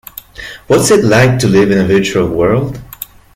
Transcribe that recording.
What's it like to live in a virtual world?